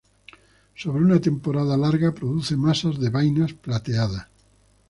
Sobre una temporada larga produce masas de vainas plateadas.